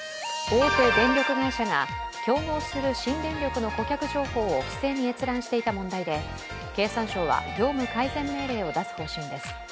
競合する新電力会社の顧客情報を不正に閲覧していた問題で、経産省は業務改善命令を出す方針です。